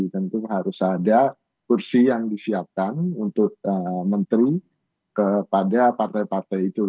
tentu harus ada kursi yang disiapkan untuk menteri kepada partai partai itu